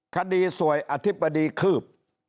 คดีสวยอธิบดีคืบ